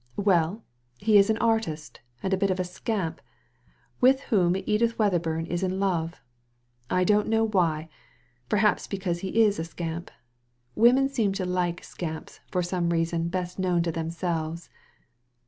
Well, he is an artist, and a bit of a scamp, with whom Edith Wedderburn is in love. I don't know why ; perhaps because he is a scamp. Women seem to like scamps, for some reason best known to themselves."